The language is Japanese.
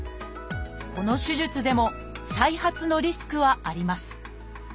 この手術でも再発のリスクはあります